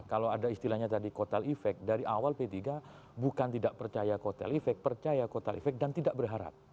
kalau ada istilahnya tadi kotel efek dari awal p tiga bukan tidak percaya kotel efek percaya kotel efek dan tidak berharap